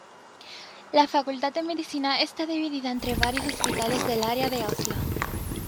La Facultad de Medicina está dividida entre varios hospitales del área de Oslo.